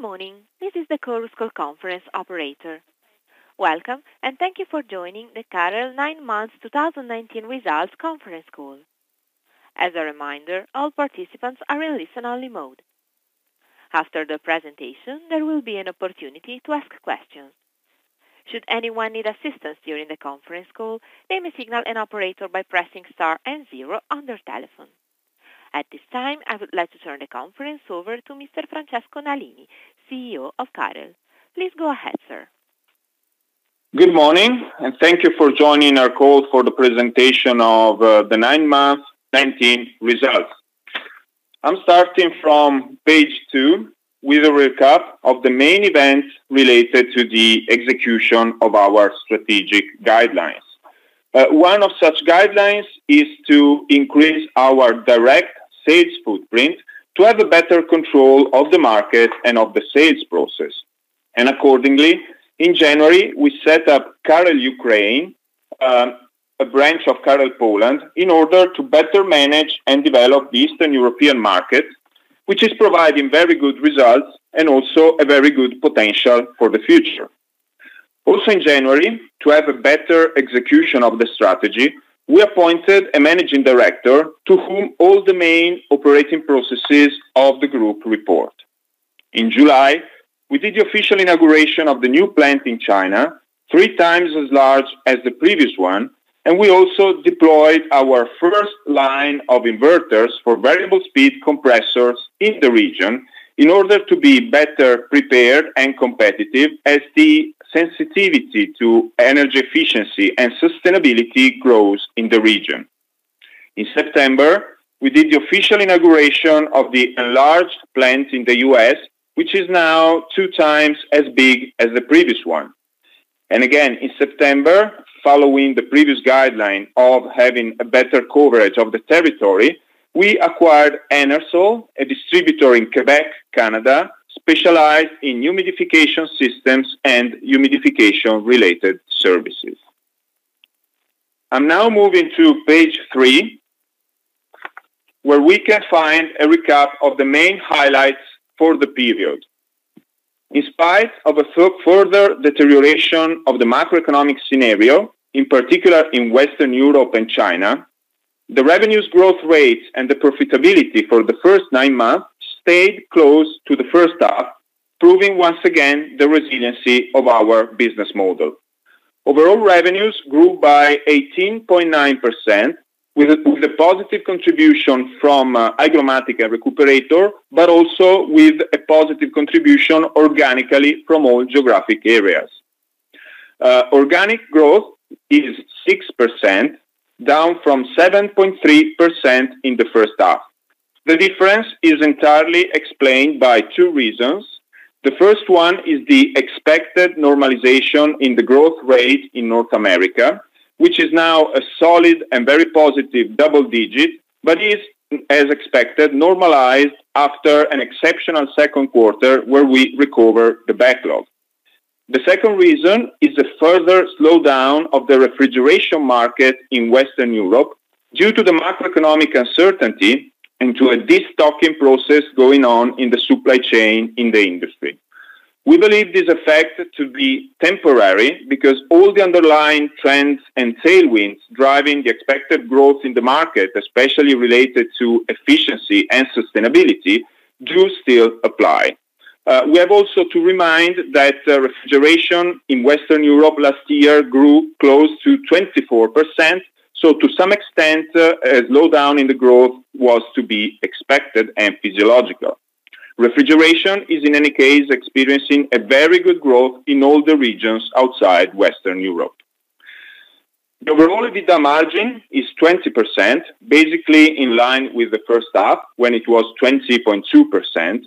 Good morning. This is the Chorus Call conference operator. Welcome, and thank you for joining the CAREL Nine Months 2019 Results Conference Call. As a reminder, all participants are in listen-only mode. After the presentation, there will be an opportunity to ask questions. Should anyone need assistance during the conference call, they may signal an operator by pressing star and zero on their telephone. At this time, I would like to turn the conference over to Mr. Francesco Nalini, CEO of CAREL. Please go ahead, sir. Good morning. Thank you for joining our call for the presentation of the nine-month 2019 results. I'm starting from page two with a recap of the main events related to the execution of our strategic guidelines. One of such guidelines is to increase our direct sales footprint to have a better control of the market and of the sales process. Accordingly, in January, we set up CAREL Ukraine, a branch of CAREL Poland, in order to better manage and develop the Eastern European market, which is providing very good results and also a very good potential for the future. Also in January, to have a better execution of the strategy, we appointed a managing director to whom all the main operating processes of the group report. In July, we did the official inauguration of the new plant in China, three times as large as the previous one. We also deployed our first line of inverters for variable speed compressors in the region, in order to be better prepared and competitive as the sensitivity to energy efficiency and sustainability grows in the region. In September, we did the official inauguration of the enlarged plant in the U.S., which is now two times as big as the previous one. Again, in September, following the previous guideline of having a better coverage of the territory, we acquired Enersol, a distributor in Quebec, Canada, specialized in humidification systems and humidification-related services. I'm now moving to page three, where we can find a recap of the main highlights for the period. In spite of a further deterioration of the macroeconomic scenario, in particular in Western Europe and China, the revenues growth rates and the profitability for the first nine months stayed close to the first half, proving once again the resiliency of our business model. Overall revenues grew by 18.9% with a positive contribution from HygroMatik and Recuperator, but also with a positive contribution organically from all geographic areas. Organic growth is 6%, down from 7.3% in the first half. The difference is entirely explained by two reasons. The first one is the expected normalization in the growth rate in North America, which is now a solid and very positive double digit, but is, as expected, normalized after an exceptional second quarter where we recover the backlog. The second reason is the further slowdown of the refrigeration market in Western Europe due to the macroeconomic uncertainty into a de-stocking process going on in the supply chain in the industry. We believe this effect to be temporary because all the underlying trends and tailwinds driving the expected growth in the market, especially related to efficiency and sustainability, do still apply. We have also to remind that refrigeration in Western Europe last year grew close to 24%, so to some extent, a slowdown in the growth was to be expected and physiological. Refrigeration is, in any case, experiencing a very good growth in all the regions outside Western Europe. The overall EBITDA margin is 20%, basically in line with the first half when it was 20.2%.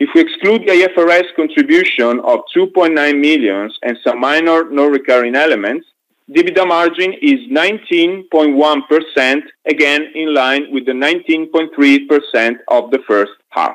If we exclude the IFRS contribution of 2.9 million and some minor non-recurring elements, EBITDA margin is 19.1%, again, in line with the 19.3% of the first half.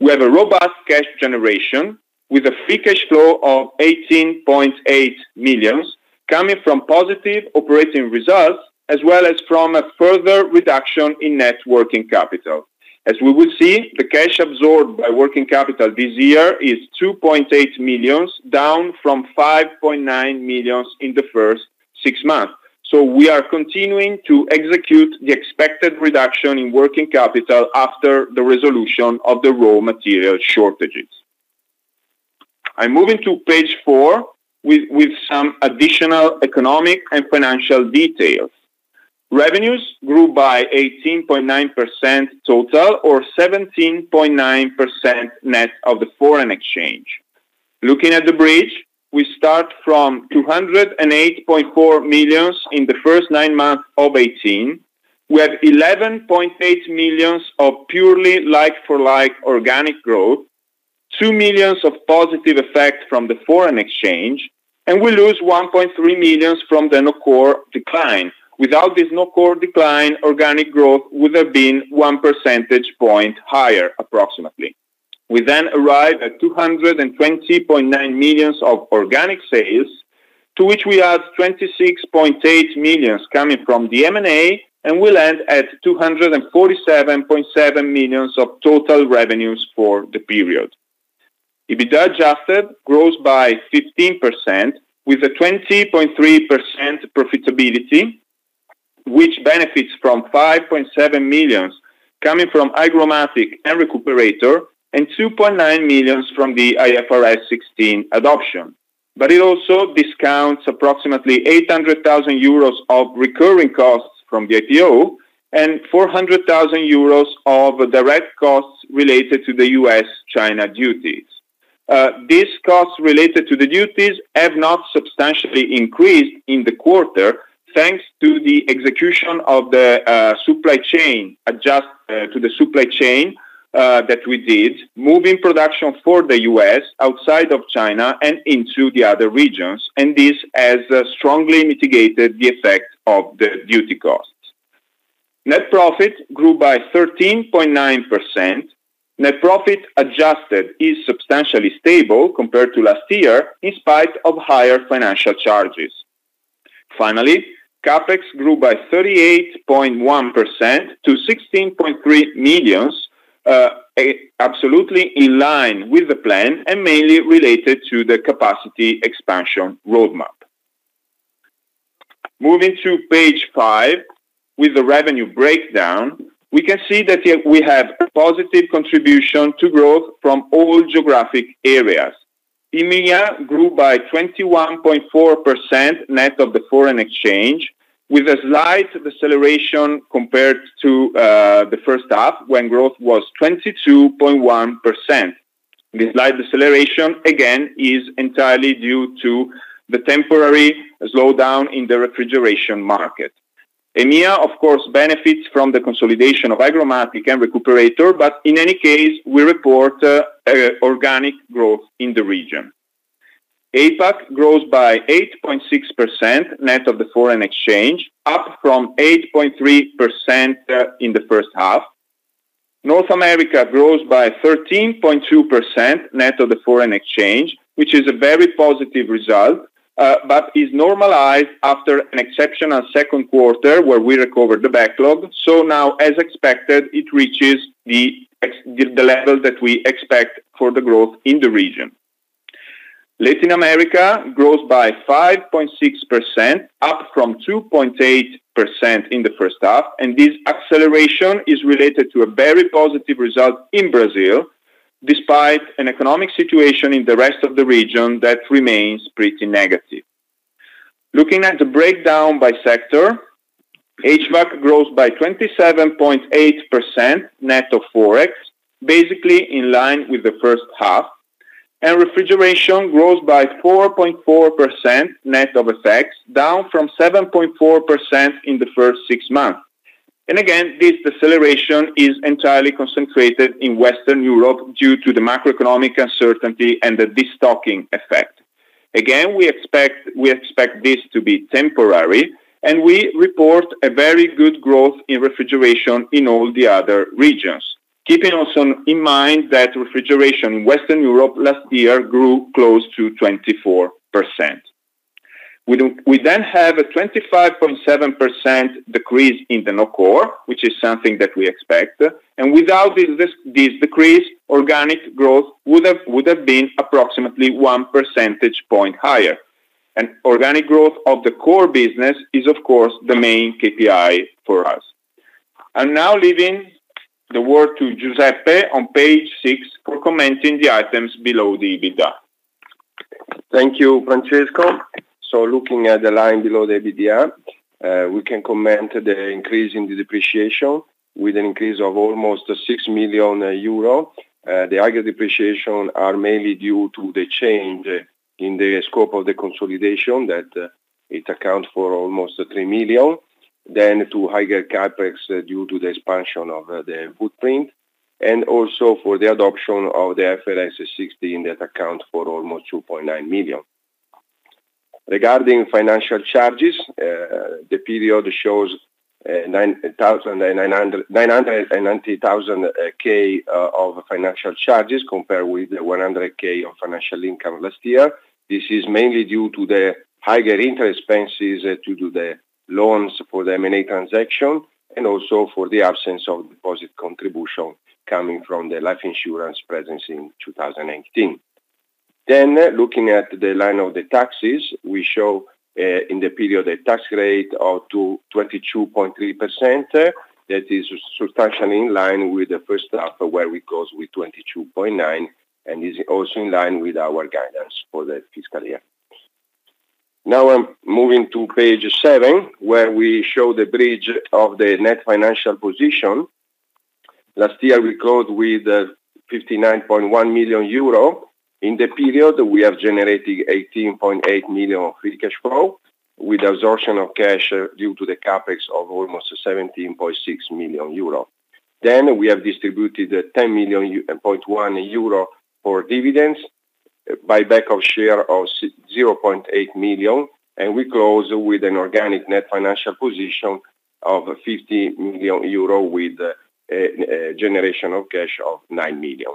We have a robust cash generation with a free cash flow of 18.8 million, coming from positive operating results, as well as from a further reduction in net working capital. As we will see, the cash absorbed by working capital this year is 2.8 million, down from 5.9 million in the first six months. We are continuing to execute the expected reduction in working capital after the resolution of the raw material shortages. I'm moving to page four with some additional economic and financial details. Revenues grew by 18.9% total or 17.9% net of the foreign exchange. Looking at the bridge, we start from 208.4 million in the first nine months of 2018. We have 11.8 million of purely like for like organic growth, 2 million of positive effect from the foreign exchange, we lose 1.3 million from the non-core decline. Without this non-core decline, organic growth would have been one percentage point higher approximately. We arrive at 220.9 million of organic sales. To which we add 26.8 million coming from the M&A, we land at 247.7 million of total revenues for the period. EBITDA adjusted grows by 15%, with a 20.3% profitability, which benefits from 5.7 million coming from HygroMatik and Recuperator, 2.9 million from the IFRS 16 adoption. It also discounts approximately 800,000 euros of recurring costs from the IPO, 400,000 euros of direct costs related to the U.S.-China duties. These costs related to the duties have not substantially increased in the quarter, thanks to the execution of the supply chain that we did, moving production for the U.S. outside of China and into the other regions, and this has strongly mitigated the effect of the duty costs. Net profit grew by 13.9%. Net profit adjusted is substantially stable compared to last year in spite of higher financial charges. Finally, CapEx grew by 38.1% to 16.3 million, absolutely in line with the plan, and mainly related to the capacity expansion roadmap. Moving to page five, with the revenue breakdown, we can see that we have positive contribution to growth from all geographic areas. EMEA grew by 21.4% net of the foreign exchange, with a slight deceleration compared to the first half, when growth was 22.1%. This slight deceleration, again, is entirely due to the temporary slowdown in the refrigeration market. EMEA, of course, benefits from the consolidation of HygroMatik and Recuperator, in any case, we report organic growth in the region. APAC grows by 8.6% net of the foreign exchange, up from 8.3% in the first half. North America grows by 13.2% net of the foreign exchange, which is a very positive result, is normalized after an exceptional second quarter where we recovered the backlog. Now, as expected, it reaches the level that we expect for the growth in the region. Latin America grows by 5.6%, up from 2.8% in the first half, this acceleration is related to a very positive result in Brazil, despite an economic situation in the rest of the region that remains pretty negative. Looking at the breakdown by sector, HVAC grows by 27.8% net of ForEx, basically in line with the first half. Refrigeration grows by 4.4% net of effects, down from 7.4% in the first six months. Again, this deceleration is entirely concentrated in Western Europe due to the macroeconomic uncertainty and the de-stocking effect. Again, we expect this to be temporary, and we report a very good growth in refrigeration in all the other regions. Keeping also in mind that refrigeration in Western Europe last year grew close to 24%. We then have a 25.7% decrease in the non-core, which is something that we expect. Without this decrease, organic growth would have been approximately one percentage point higher. Organic growth of the core business is, of course, the main KPI for us. I'm now leaving the word to Giuseppe on page six for commenting the items below the EBITDA. Thank you, Francesco. Looking at the line below the EBITDA, we can comment the increase in the depreciation with an increase of almost 6 million euro. The higher depreciation are mainly due to the change in the scope of the consolidation that it accounts for almost 3 million. To higher CapEx due to the expansion of the footprint, and also for the adoption of the IFRS 16 that account for almost 2.9 million. Regarding financial charges, the period shows 990,000 of financial charges compared with 100,000 of financial income last year. This is mainly due to the higher interest expenses due to the loans for the M&A transaction, and also for the absence of deposit contribution coming from the life insurance presence in 2019. Looking at the line of the taxes, we show in the period a tax rate of 22.3%. That is substantially in line with the first half, where we close with 22.9 million, and is also in line with our guidance for the fiscal year. I'm moving to page seven, where we show the bridge of the net financial position. Last year, we closed with 59.1 million euro. In the period, we have generated 18.8 million of free cash flow, with absorption of cash due to the CapEx of almost 17.6 million euro. We have distributed 10.1 million euro for dividends, buyback of share of 0.8 million, and we close with an organic net financial position of 50 million euro with a generation of cash of 9 million.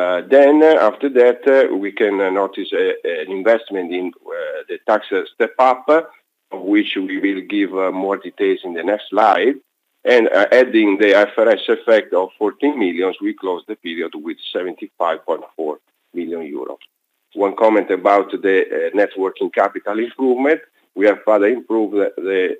After that, we can notice an investment in the tax step up, which we will give more details in the next slide. Adding the IFRS effect of 14 million, we close the period with 75.4 million euros. One comment about the net working capital improvement. We have further improved the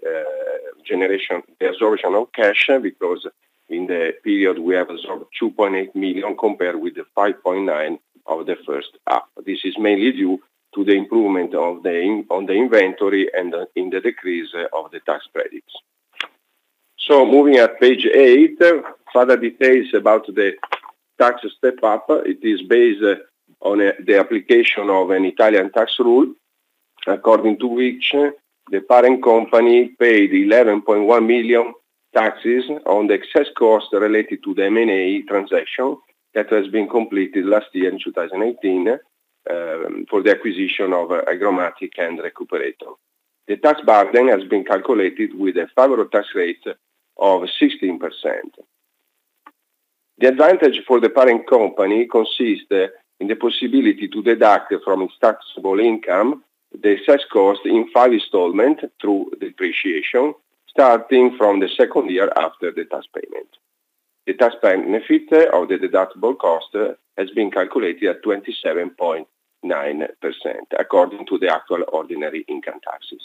absorption of cash, because in the period we have absorbed 2.8 million compared with the 5.9 million of the first half. This is mainly due to the improvement on the inventory and in the decrease of the tax credits. Moving at page eight, further details about the tax step up. It is based on the application of an Italian tax rule, according to which the parent company paid 11.1 million taxes on the excess cost related to the M&A transaction that has been completed last year in 2018, for the acquisition of a HygroMatik and Recuperator. The tax burden has been calculated with a favorable tax rate of 16%. The advantage for the parent company consists in the possibility to deduct from its taxable income the excess cost in five installment through depreciation, starting from the second year after the tax payment. The tax benefit of the deductible cost has been calculated at 27.9%, according to the actual ordinary income taxes.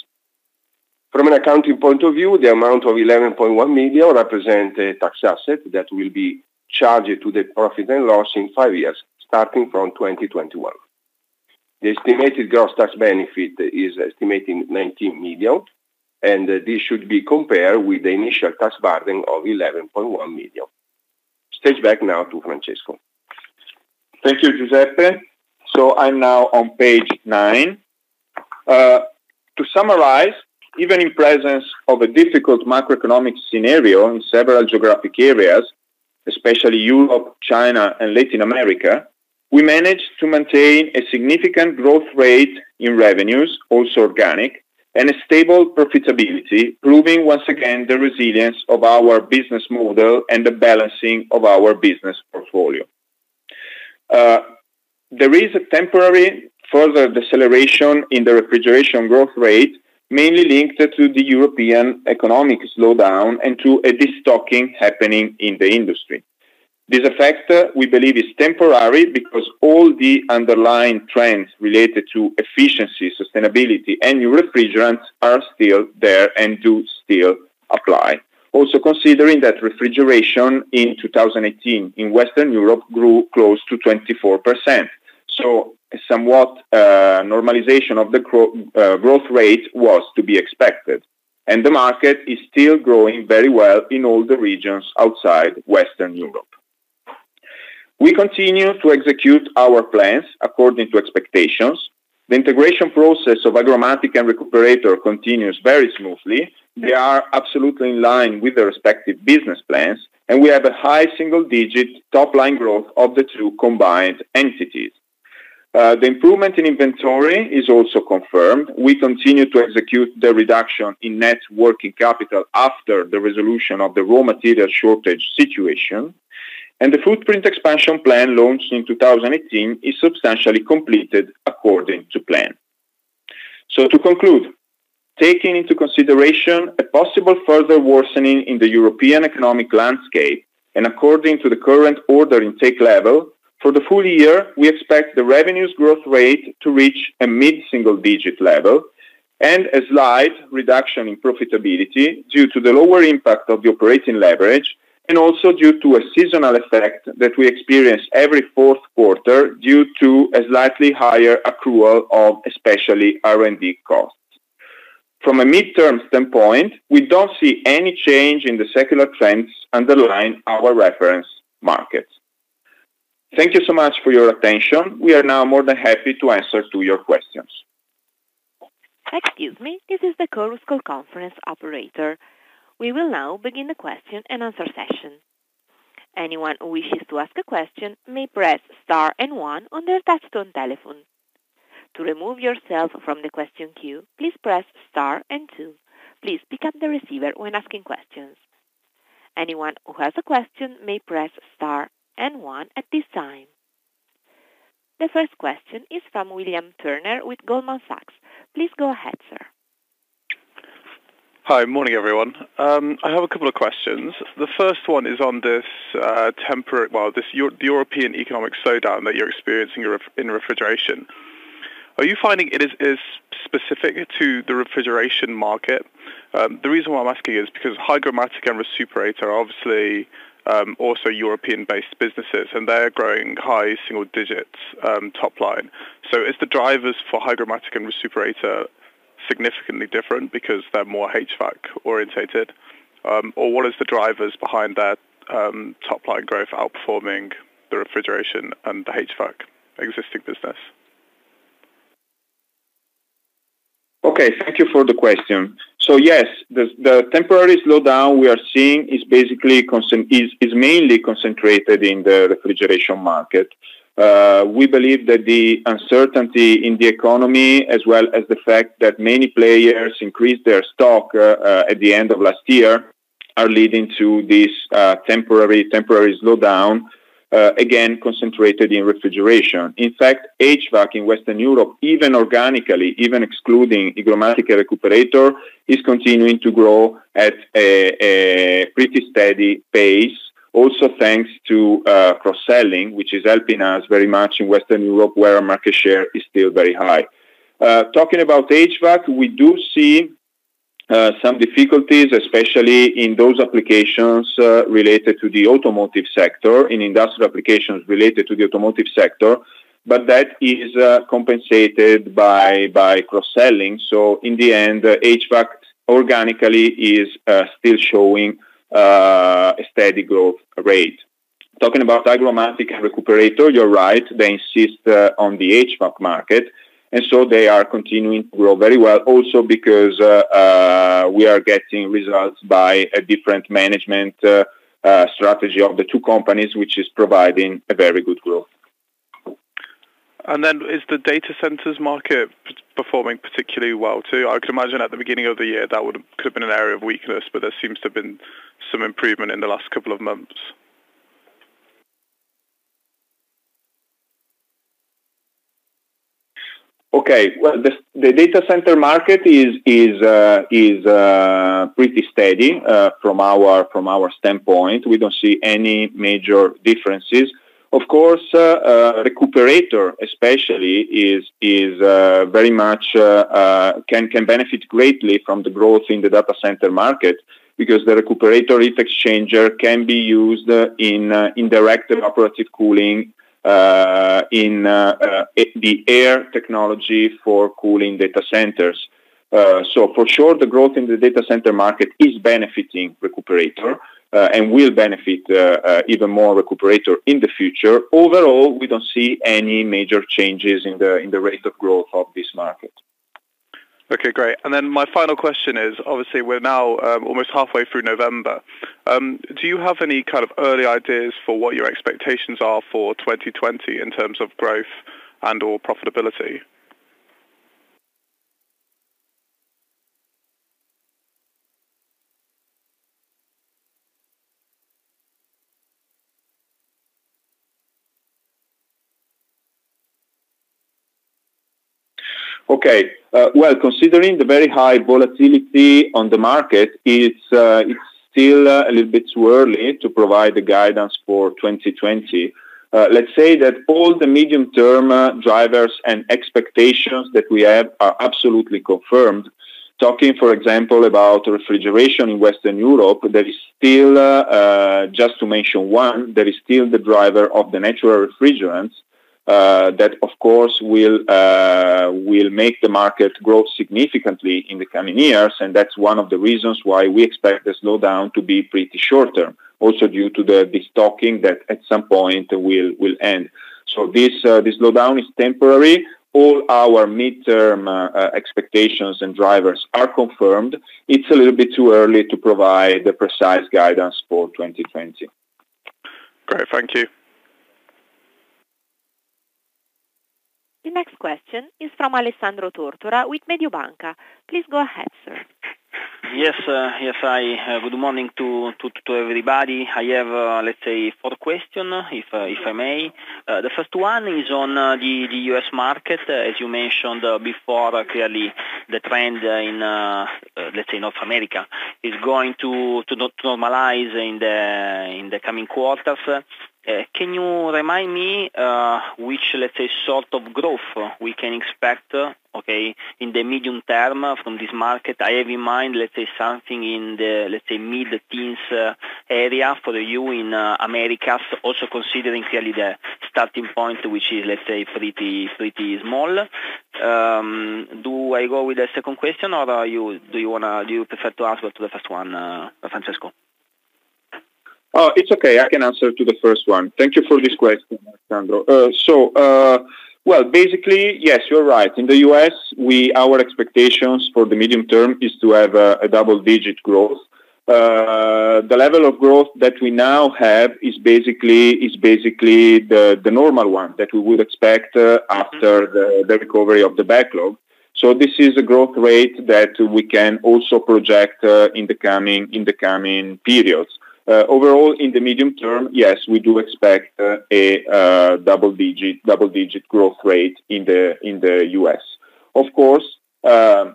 From an accounting point of view, the amount of 11.1 million represent a tax asset that will be charged to the profit and loss in five years, starting from 2021. The estimated gross tax benefit is estimating 19 million. This should be compared with the initial tax burden of 11.1 million. Switch back now to Francesco. Thank you, Giuseppe. I'm now on page nine. To summarize, even in presence of a difficult macroeconomic scenario in several geographic areas, especially Europe, China, and Latin America, we managed to maintain a significant growth rate in revenues, also organic, and a stable profitability, proving once again the resilience of our business model and the balancing of our business portfolio. There is a temporary further deceleration in the refrigeration growth rate, mainly linked to the European economic slowdown and to a destocking happening in the industry. This effect, we believe, is temporary because all the underlying trends related to efficiency, sustainability, and new refrigerants are still there and do still apply. Considering that refrigeration in 2018 in Western Europe grew close to 24%. Somewhat normalization of the growth rate was to be expected, and the market is still growing very well in all the regions outside Western Europe. We continue to execute our plans according to expectations. The integration process of HygroMatik and Recuperator continues very smoothly. They are absolutely in line with the respective business plans, and we have a high single-digit top line growth of the two combined entities. The improvement in inventory is also confirmed. We continue to execute the reduction in net working capital after the resolution of the raw material shortage situation, and the footprint expansion plan launched in 2018 is substantially completed according to plan. To conclude, taking into consideration a possible further worsening in the European economic landscape and according to the current order intake level, for the full year, we expect the revenues growth rate to reach a mid-single digit level and a slight reduction in profitability due to the lower impact of the operating leverage and also due to a seasonal effect that we experience every fourth quarter due to a slightly higher accrual of especially R&D costs. From a midterm standpoint, we don't see any change in the secular trends underlying our reference markets. Thank you so much for your attention. We are now more than happy to answer to your questions. Excuse me. This is the Chorus Call Conference operator. We will now begin the question and answer session. Anyone who wishes to ask a question may press star and one on their touch-tone telephone. To remove yourself from the question queue, please press star and two. Please pick up the receiver when asking questions. Anyone who has a question may press star and one at this time. The first question is from William Turner with Goldman Sachs. Please go ahead, sir. Hi. Morning, everyone. I have a couple of questions. The first one is on this European economic slowdown that you're experiencing in refrigeration. Are you finding it is specific to the refrigeration market? The reason why I'm asking is because HygroMatik and Recuperator are obviously also European-based businesses, and they're growing high single digits top line. Is the drivers for HygroMatik and Recuperator significantly different because they're more HVAC orientated? What is the drivers behind that top line growth outperforming the refrigeration and the HVAC existing business? Okay. Thank you for the question. Yes, the temporary slowdown we are seeing is mainly concentrated in the refrigeration market. We believe that the uncertainty in the economy, as well as the fact that many players increased their stock at the end of last year, are leading to this temporary slowdown, again, concentrated in refrigeration. In fact, HVAC in Western Europe, even organically, even excluding HygroMatik and Recuperator, is continuing to grow at a pretty steady pace. Thanks to cross-selling, which is helping us very much in Western Europe, where our market share is still very high. Talking about HVAC, we do see some difficulties, especially in those applications related to the automotive sector, in industrial applications related to the automotive sector, but that is compensated by cross-selling. In the end, HVAC organically is still showing a steady growth rate. Talking about HygroMatik and Recuperator, you're right, they insist on the HVAC market, and so they are continuing to grow very well also because we are getting results by a different management strategy of the two companies, which is providing a very good growth. Is the data centers market performing particularly well too? I can imagine at the beginning of the year, that could have been an area of weakness, but there seems to have been some improvement in the last couple of months. Okay. Well, the data center market is pretty steady from our standpoint. We don't see any major differences. Of course, Recuperator, especially, can benefit greatly from the growth in the data center market because the Recuperator heat exchanger can be used in indirect evaporative cooling, in the air technology for cooling data centers. So for sure, the growth in the data center market is benefiting Recuperator, and will benefit even more Recuperator in the future. Overall, we don't see any major changes in the rate of growth of this market. Okay, great. My final question is, obviously, we're now almost halfway through November. Do you have any kind of early ideas for what your expectations are for 2020 in terms of growth and/or profitability? Okay. Well, considering the very high volatility on the market, it is still a little bit too early to provide the guidance for 2020. Let's say that all the medium-term drivers and expectations that we have are absolutely confirmed. Talking, for example, about refrigeration in Western Europe, just to mention one, there is still the driver of the natural refrigerants, that, of course, will make the market grow significantly in the coming years. That's one of the reasons why we expect the slowdown to be pretty short-term, also due to the destocking that at some point will end. This slowdown is temporary. All our mid-term expectations and drivers are confirmed. It is a little bit too early to provide the precise guidance for 2020. Great. Thank you. The next question is from Alessandro Tortora with Mediobanca. Please go ahead, sir. Yes. Good morning to everybody. I have, let's say, four question, if I may. The first one is on the U.S. market. As you mentioned before, clearly the trend in, let's say, North America is going to not normalize in the coming quarters. Can you remind me which sort of growth we can expect, okay, in the medium term from this market? I have in mind, let's say, something in the mid-teens area for you in Americas, also considering clearly the starting point, which is, let's say, pretty small. Do I go with the second question, or do you prefer to answer to the first one, Francesco? It's okay. I can answer to the first one. Thank you for this question, Alessandro. Well, basically, yes, you're right. In the U.S., our expectations for the medium term is to have a double-digit growth. The level of growth that we now have is basically the normal one that we would expect after the recovery of the backlog. This is a growth rate that we can also project in the coming periods. Overall, in the medium term, yes, we do expect a double-digit growth rate in the U.S. Of course, this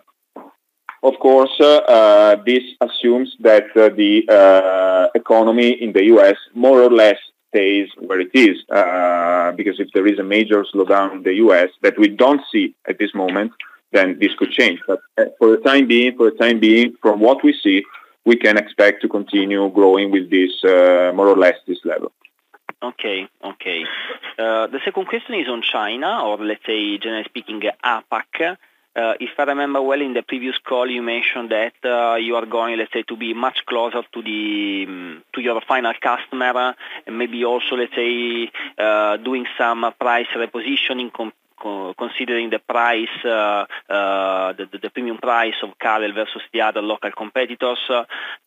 assumes that the economy in the U.S. more or less stays where it is, because if there is a major slowdown in the U.S. that we don't see at this moment, then this could change. For the time being, from what we see, we can expect to continue growing with more or less this level. Okay. The second question is on China or let's say, generally speaking, APAC. If I remember well, in the previous call, you mentioned that you are going, let's say, to be much closer to your final customer, and maybe also, let's say, doing some price repositioning, considering the premium price of CAREL versus the other local competitors.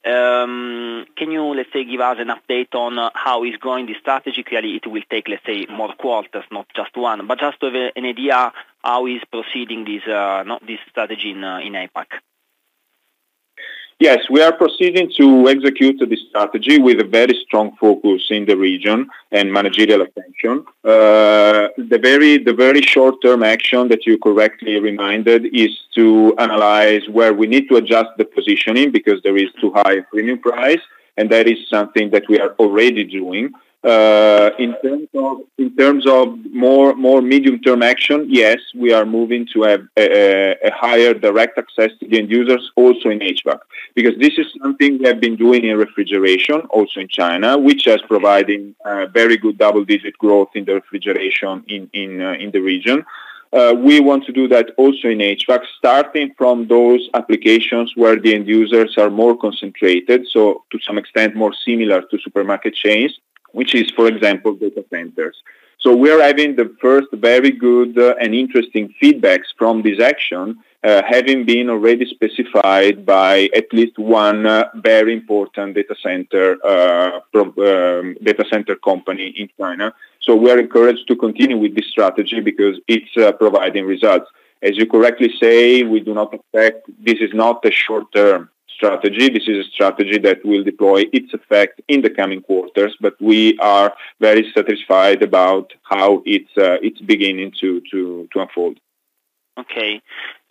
Can you, let's say, give us an update on how is going the strategy? Clearly, it will take, let's say, more quarters, not just one. Just to have an idea, how is proceeding this strategy in APAC? Yes, we are proceeding to execute the strategy with a very strong focus in the region and managerial attention. The very short-term action that you correctly reminded is to analyze where we need to adjust the positioning because there is too high premium price. That is something that we are already doing. In terms of more medium-term action, yes, we are moving to have a higher direct access to the end users also in HVAC. This is something we have been doing in refrigeration, also in China, which has providing very good double-digit growth in the refrigeration in the region. We want to do that also in HVAC, starting from those applications where the end users are more concentrated, so to some extent, more similar to supermarket chains, which is, for example, data centers. We're having the first very good and interesting feedbacks from this action, having been already specified by at least one very important data center company in China. We're encouraged to continue with this strategy because it's providing results. As you correctly say, this is not a short-term strategy. This is a strategy that will deploy its effect in the coming quarters, but we are very satisfied about how it's beginning to unfold. Okay.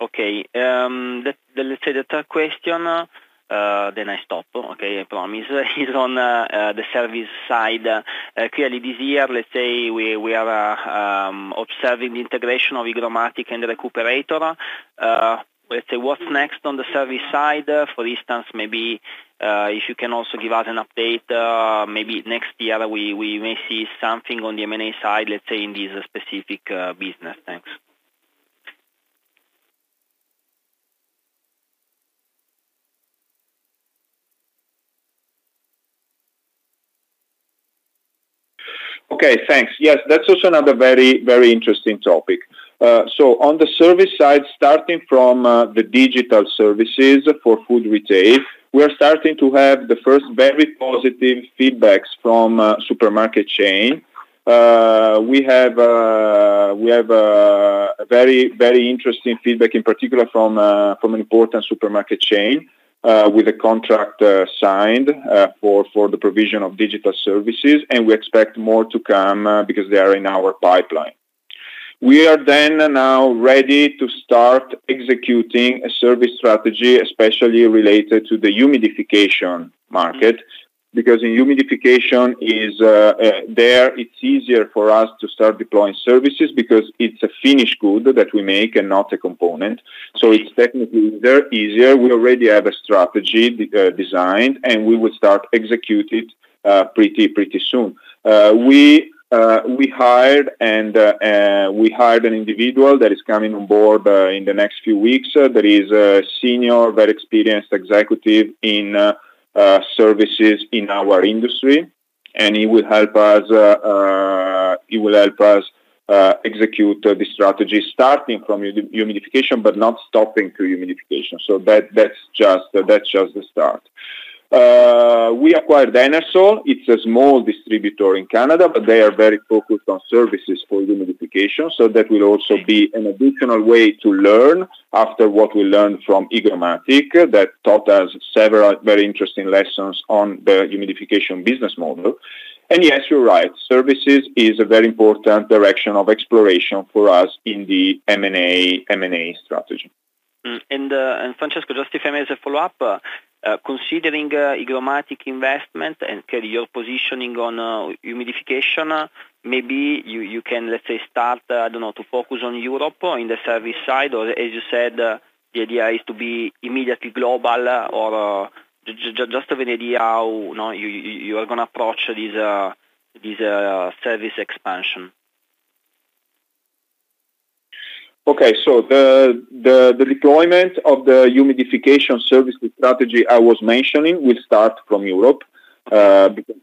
Let's say the third question, then I stop, okay, I promise, is on the service side. Clearly this year, let's say, we are observing the integration of HygroMatik and Recuperator. Let's say, what's next on the service side? For instance, maybe, if you can also give us an update, maybe next year, we may see something on the M&A side, let's say, in this specific business. Thanks. Okay, thanks. Yes, that's also another very interesting topic. On the service side, starting from the digital services for food retail, we're starting to have the first very positive feedbacks from supermarket chain. We have a very interesting feedback, in particular from an important supermarket chain, with a contract signed, for the provision of digital services, and we expect more to come because they are in our pipeline. We are now ready to start executing a service strategy, especially related to the humidification market, because in humidification, it's easier for us to start deploying services because it's a finished good that we make and not a component. It's technically easier. We already have a strategy designed, and we will start execute it pretty soon. We hired an individual that is coming on board in the next few weeks, that is a senior, very experienced executive in services in our industry. He will help us execute the strategy, starting from humidification, but not stopping to humidification. That's just the start. We acquired Enersol. It's a small distributor in Canada, but they are very focused on services for humidification. That will also be an additional way to learn after what we learned from HygroMatik, that taught us several very interesting lessons on the humidification business model. Yes, you're right, services is a very important direction of exploration for us in the M&A strategy. Francesco, just if I may, as a follow-up, considering HygroMatik investment and CAREL positioning on humidification, maybe you can, let's say, start to focus on Europe in the service side, or as you said, the idea is to be immediately global? Just to have an idea how you are going to approach this service expansion. Okay. The deployment of the humidification service strategy I was mentioning will start from Europe, because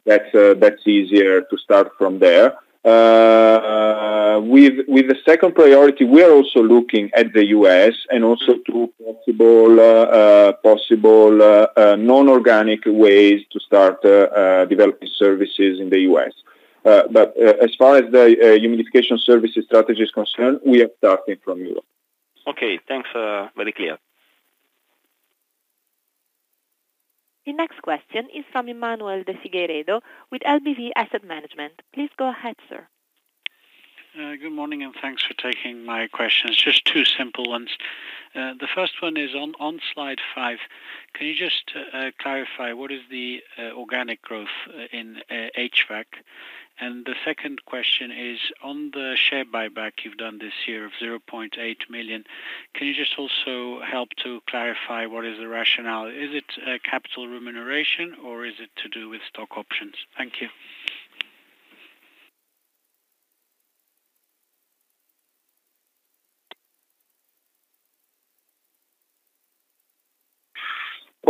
that's easier to start from there. With the second priority, we are also looking at the U.S. and also to possible non-organic ways to start developing services in the U.S. As far as the humidification services strategy is concerned, we are starting from Europe. Okay, thanks. Very clear. The next question is from Emmanuel de Figueiredo with LBV Asset Management. Please go ahead, sir. Good morning, and thanks for taking my questions. Just two simple ones. The first one is on Slide five, can you just clarify what is the organic growth in HVAC? The second question is on the share buyback you've done this year of 0.8 million, can you just also help to clarify what is the rationale? Is it capital remuneration, or is it to do with stock options? Thank you.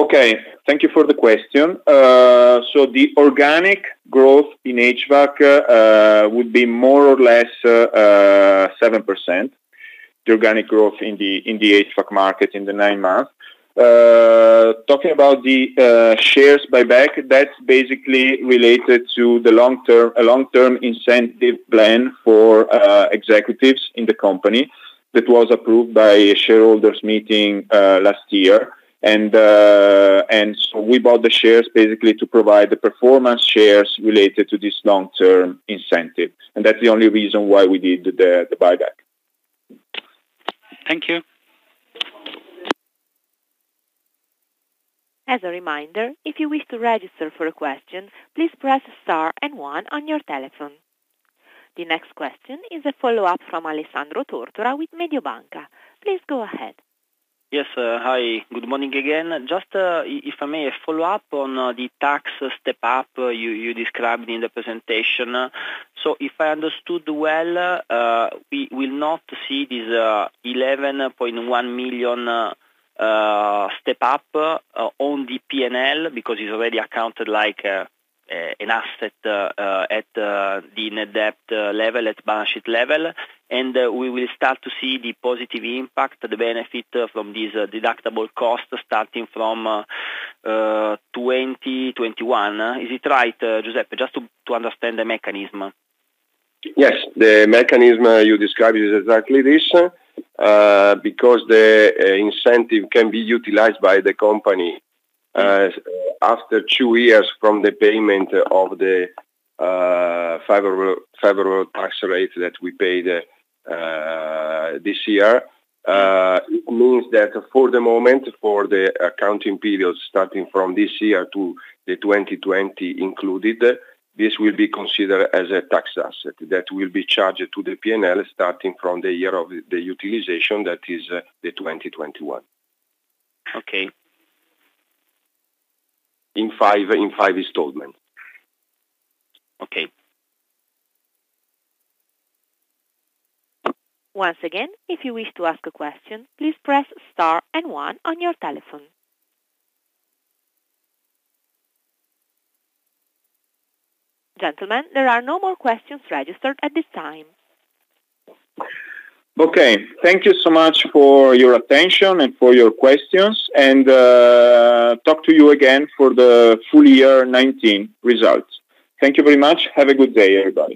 Okay. Thank you for the question. The organic growth in HVAC would be more or less 7%. The organic growth in the HVAC market in the nine months. Talking about the shares buyback, that's basically related to the long-term incentive plan for executives in the company that was approved by a shareholders meeting last year. We bought the shares basically to provide the performance shares related to this long-term incentive, and that's the only reason why we did the buyback. Thank you. As a reminder, if you wish to register for a question, please press star and one on your telephone. The next question is a follow-up from Alessandro Tortora with Mediobanca. Please go ahead. Yes. Hi, good morning again. Just, if I may, a follow-up on the tax step up you described in the presentation. If I understood well, we will not see this 11.1 million step up on the P&L because it's already accounted like an asset at the net debt level, at balance sheet level. We will start to see the positive impact, the benefit from this deductible cost starting from 2021. Is it right, Giuseppe? Just to understand the mechanism. Yes, the mechanism you described is exactly this. Because the incentive can be utilized by the company after two years from the payment of the favorable tax rate that we paid this year. It means that for the moment, for the accounting period starting from this year to the 2020 included, this will be considered as a tax asset that will be charged to the P&L starting from the year of the utilization, that is the 2021. Okay. In five installments. Okay. Once again, if you wish to ask a question, please press star and one on your telephone. Gentlemen, there are no more questions registered at this time. Okay. Thank you so much for your attention and for your questions. Talk to you again for the full year 2019 results. Thank you very much. Have a good day, everybody.